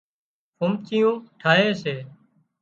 ڦومچيون ٺاهي سي